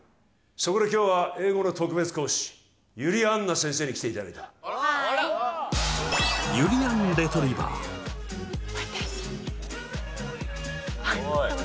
そこで今日は英語の特別講師由利杏奈先生に来ていただいたハーイ私？